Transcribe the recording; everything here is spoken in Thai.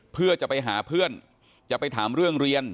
เพื่อจะไปหาเพื่อนจะไปถามเรื่องเรียน